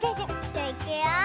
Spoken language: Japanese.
じゃあいくよ！